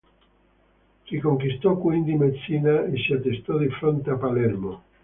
Riconquistò quindi Messina e si attestò di fronte a Palermo.